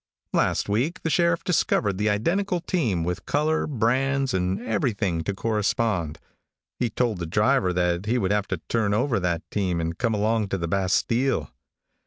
Last week the sheriff discovered the identical team with color, brands and everything to correspond. He told the driver that he would have to turn over that team and come along to the bastile.